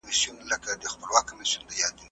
که پوهه وي نو بدبختي نه وي.